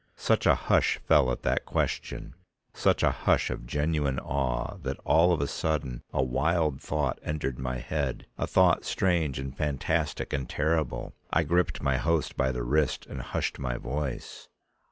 Such a hush fell at that question, such a hush of genuine awe, that all of a sudden a wild thought entered my head, a thought strange and fantastic and terrible. I gripped my host by the wrist and hushed my voice.